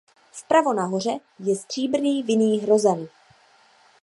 Vpravo nahoře je stříbrný vinný hrozen.